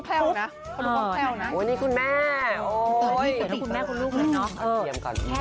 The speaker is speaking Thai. พวกเขานะนี่คุณแม่